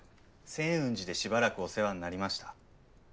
仙雲寺でしばらくお世話になりました。